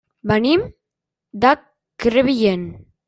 Venim de Crevillent.